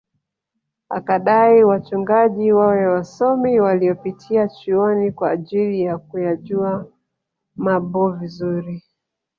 Akadai wachungaji wawe wasomi waliopitia chuoni kwa ajili ya kuyajua mabo vizuri